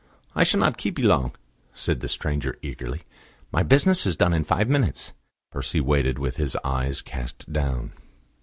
"I shall not keep you long," said the stranger eagerly. "My business is done in five minutes." Percy waited with his eyes cast down.